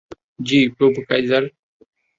জ্বি, প্রভু কাইযার।